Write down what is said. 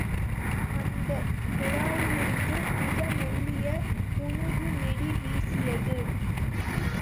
அந்தக் குழாயிலிருந்து மிக மெல்லிய புனுகு நெடி வீசியது.